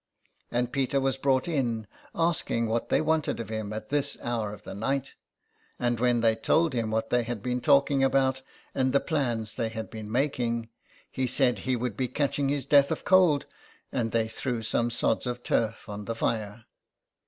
And Peter was brought in, asking what they wanted of him at this hour of the night; and when they told him what they had been talking about and the plans they had been making, he said he would be catching his death of cold, and they threw some sods of turf on the fire.